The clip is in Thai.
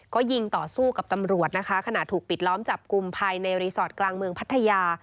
ก็ยิงต่อสู้กับตำรวจนะคะขณะถูกปิดล้อมจับกลุ่มภายในรีสอร์ทกลางเมืองพัทยา